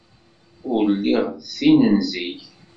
Ur lliɣ d tin n zik.